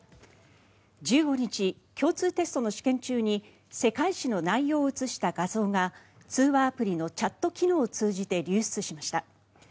１５日、共通テストの試験中に世界史の内容を写した画像が通話アプリのチャット機能を通じて流出しました。